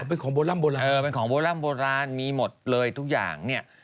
เป็นของโบร่ำโบราณเออเป็นของโบร่ำโบราณมีหมดเลยทุกอย่างเนี่ย